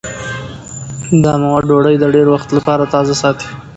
دا مواد ډوډۍ د ډېر وخت لپاره تازه ساتي.